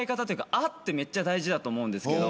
「あ」ってめっちゃ大事だと思うんですけど。